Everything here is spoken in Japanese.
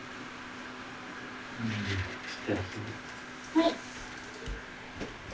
はい。